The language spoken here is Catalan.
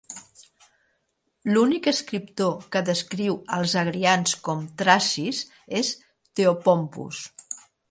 L"únic escriptor que descriu els Agrians com Tracis és Theopompus.